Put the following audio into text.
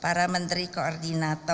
para menteri koordinator